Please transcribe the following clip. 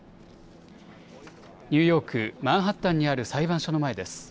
ニューヨーク、マンハッタンにある裁判所の前です。